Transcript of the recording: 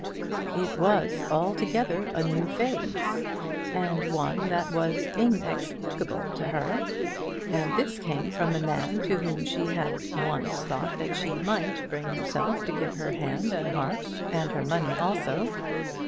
It was altogether a new phase, and one that was inexplicable to her. And this came from a man to whom she had once thought that she might bring herself to give her hand and her heart, and her money also.